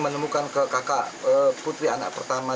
menemukan ke kakak putri anak pertama